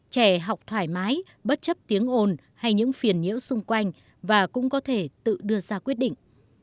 trẻ học thoải mái bất chấp tiếng ồn hay những phiền nhiễu xung quanh và cũng có thể tự đưa ra quyết định